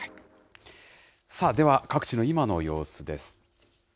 さあ、では各地の今の様子です。